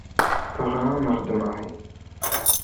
Teɣra-aneɣ-d Mary.